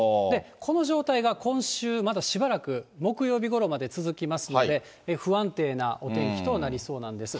この状態が今週、まだしばらく、木曜日ごろまで続きますので、不安定なお天気となりそうなんです。